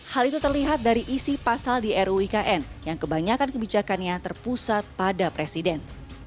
hal itu terlihat dari isi pasal di ruikn yang kebanyakan kebijakannya terpusat pada presiden